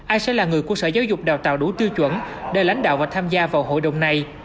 ai sẽ là người của sở giáo dục đào tạo đủ tiêu chuẩn để lãnh đạo và tham gia vào hội đồng này